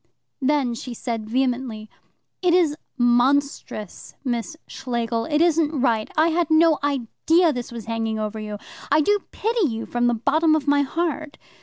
Then she said vehemently: "It is monstrous, Miss Schlegel; it isn't right. I had no idea that this was hanging over you. I do pity you from the bottom of my heart.